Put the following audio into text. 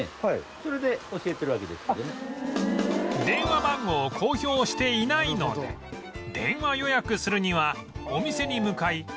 電話番号を公表していないので電話予約するにはお店に向かい